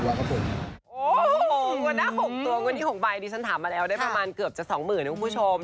โอ้โหงวดหน้า๖ตัวเงินที่๖ใบดิฉันถามมาแล้วได้ประมาณเกือบจะ๒๐๐๐นะคุณผู้ชม